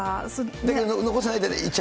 だけど、残さないで、いっち